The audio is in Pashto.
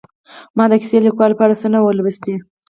ما د کیسه لیکلو په اړه څه نه وو لوستي